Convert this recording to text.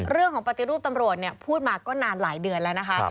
เรื่องของปฏิรูปตำรวจเนี่ยพูดมาก็นานหลายเดือนแล้วนะคะ